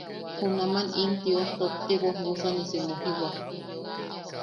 Junaman in tio tokti woobusanisi mujiwak.